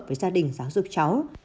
với gia đình giáo dục cháu